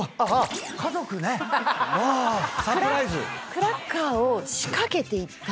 クラッカーを仕掛けていったんですよ。